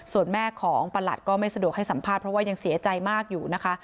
ส่วนแม่ของประหลัดก็ไม่สะดวกให้สัมภาษณ์เพราะว่ายังเสียใจมากอยู่นะคะ